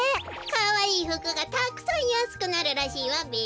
かわいいふくがたくさんやすくなるらしいわべ。